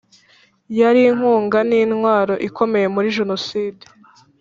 yari inkunga n’intwaro ikomeye muri jenoside